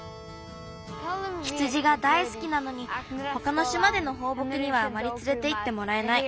羊がだいすきなのにほかのしまでのほうぼくにはあまりつれていってもらえない。